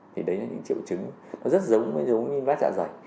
thì đấy là những triệu chứng nó rất giống như vết dạ dày